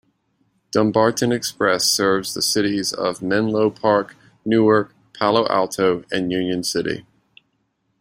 Dumbarton Express serves the cities of Menlo Park, Newark, Palo Alto, and Union City.